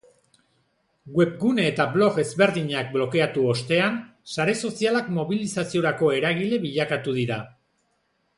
Webgune eta blog ezberdinak blokeatu ostean, sare sozialak mobilizaziorako eragile bilakatu dira.